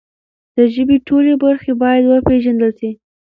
د ژبې ټولې برخې باید وپیژندل سي.